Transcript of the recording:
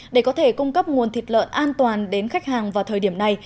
để có thể cung cấp nguồn thịt lợn an toàn đến khách hàng vào thời điểm này